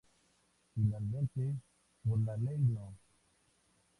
Finalmente, por la Ley No.